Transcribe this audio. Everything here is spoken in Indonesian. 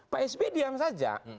pak sb diam saja